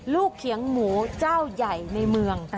เขียงหมูเจ้าใหญ่ในเมือง